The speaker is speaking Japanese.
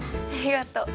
ありがとう。